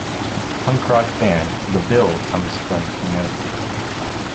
Punk rock band The Bill comes from Pionki.